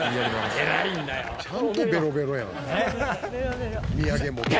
「ちゃんとベロベロやん」